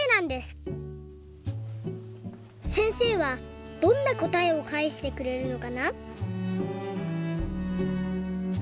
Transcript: せんせいはどんなこたえをかえしてくれるのかな？